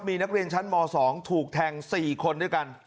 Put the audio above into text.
มีนักเรียนชั้นม๒ถูกแทง๔คนด้วยกัน